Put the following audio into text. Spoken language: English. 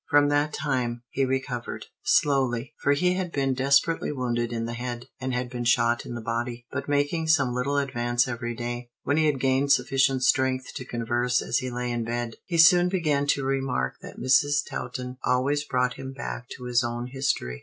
From that time, he recovered. Slowly, for he had been desperately wounded in the head, and had been shot in the body, but making some little advance every day. When he had gained sufficient strength to converse as he lay in bed, he soon began to remark that Mrs. Taunton always brought him back to his own history.